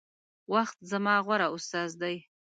وخت زما غوره استاذ دے